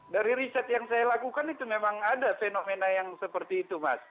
dari riset yang saya lakukan itu memang ada fenomena yang seperti itu mas